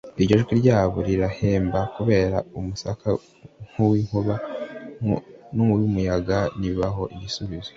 iryo jwi ryabo rirahemba kubera umsaku rw'inkubi y'umuyaga ntibabona igisubizo.